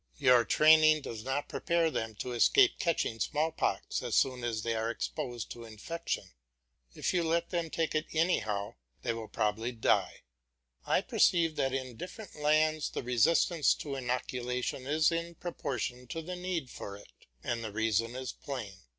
Your training does not prepare them to escape catching smallpox as soon as they are exposed to infection. If you let them take it anyhow, they will probably die. I perceive that in different lands the resistance to inoculation is in proportion to the need for it; and the reason is plain.